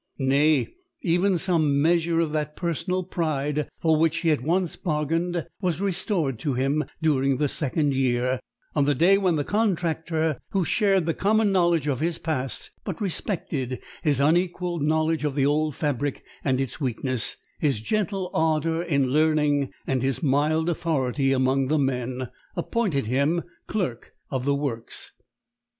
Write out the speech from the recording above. Nay, even some measure of that personal pride for which he had once bargained was restored to him during the second year, on the day when the contractor who shared the common knowledge of his past, but respected his unequalled knowledge of the old fabric and its weakness, his gentle ardour in learning, and his mild authority among the men appointed him clerk of the works.